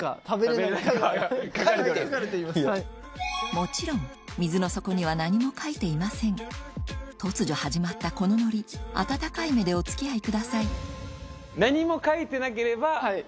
もちろん水の底には何も書いていません突如始まったこのノリ温かい目でお付き合いください